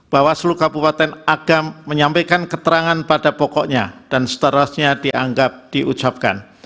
bawaslu kabupaten agam menyampaikan keterangan pada pokoknya dan seterusnya dianggap diucapkan